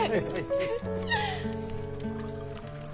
フフ。